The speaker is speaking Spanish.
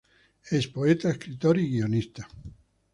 Es poeta, escritor y guionista.